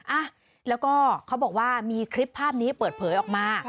อ่ะแล้วก็เขาบอกว่ามีคลิปภาพนี้เปิดเผยออกมา